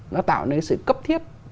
nó tạo nên sự cấp thiết